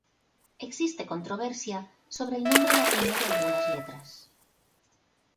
Existe controversia sobre el nombre latino de algunas letras.